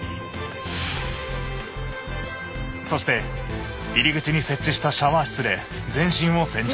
そして入り口に設置したシャワー室で全身を洗浄。